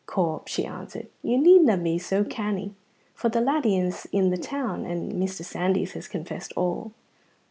"Corp," she answered, "you needna be so canny, for the laddie is in the town, and Mr. Sandys has confessed all."